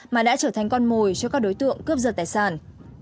mà đã trở thành con mồi cho các đối tượng cướp giật tài sản